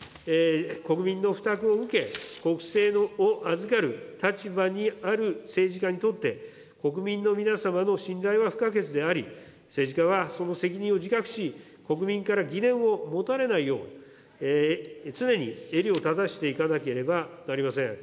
国民の負託を受け、国政を預かる立場にある政治家にとって、国民の皆様の信頼は不可欠であり、政治かはその責任を自覚し、国民から疑念を持たれないよう、常に襟を正していかなければなりません。